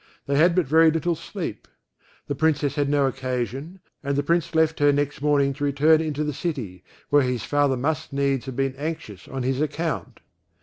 They had but very little sleep; the Princess had no occasion, and the Prince left her next morning to return into the city, where his father must needs have been anxious on his account.